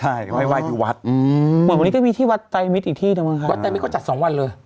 เหมือนวันนี้ก็มีที่วัดไตมิตรอีกที่นะมึงค่ะวัดไตมิตรก็จัด๒วันเลย